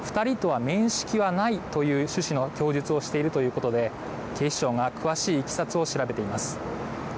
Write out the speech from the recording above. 少女は２人とは面識はないという趣旨の供述をしているということで警視庁が詳しいいきさつを調べています。